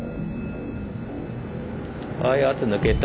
はい圧抜けた。